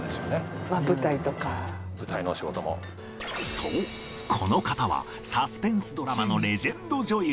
そうこの方はサスペンスドラマのレジェンド女優